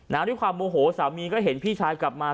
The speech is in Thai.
ด้วยความโมโหสามีก็เห็นพี่ชายกลับมา